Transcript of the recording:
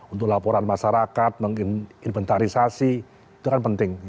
untuk laporan masyarakat inventarisasi itu kan penting